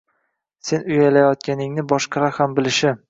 Sen uyalayotganingni boshqalar ham bilishi.